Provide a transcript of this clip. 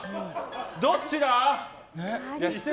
どっちだ？